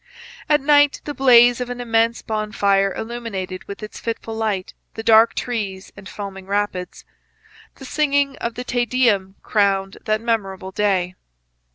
At night the blaze of an immense bonfire illuminated with its fitful light the dark trees and foaming rapids. The singing of the Te Deum crowned that memorable day.